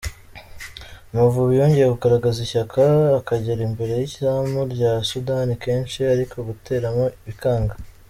Amavubi yongeye kugaragaza ishyaka, akagera imbere y’izamu rya Sudani kenshi ariko guteramo bikanga.